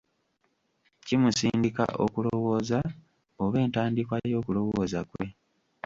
Kimusindika okulowooza oba entandikwa y'okulowooza kwe.